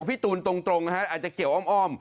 พี่ตูนตรงนะฮะอาจจะเกี่ยวอ้อม